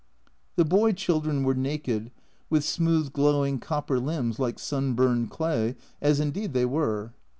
The boy children were naked, with smooth glowing copper limbs like sun burned clay as indeed they were.